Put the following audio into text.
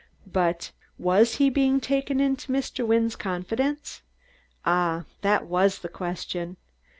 But was he being taken into Mr. Wynne's confidence? Ah! That was the question!